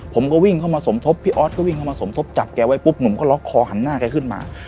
ผมก็วิ่งเข้ามาสมทบพี่ออสก็วิ่งเข้ามาสมทบจับแกไว้ปุ๊บหนุ่มก็ล็อกคอหันหน้าแกขึ้นมา